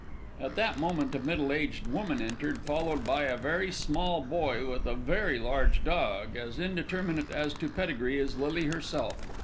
At that moment a middle aged woman entered, followed by a very small boy with a very large dog, as indeterminate as to pedigree as Lily herself.